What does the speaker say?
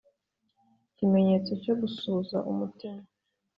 Ikimenyetso cyo gusuhuza umutima